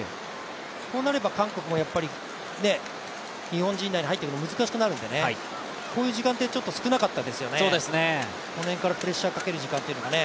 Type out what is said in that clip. こうなれば韓国も日本陣内に入ってくるのが難しくなるのでこういう時間帯はちょっと少なかったですよね、プレッシャーをかける時間というのがね。